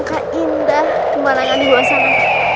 apakah indah tempat tangga di bawah sana